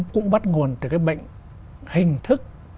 cũng bắt nguồn từ cái bệnh hình thức